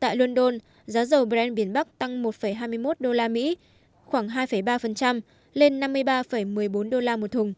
tại london giá dầu brand biển bắc tăng một hai mươi một đô la mỹ khoảng hai ba lên năm mươi ba một mươi bốn đô la một thùng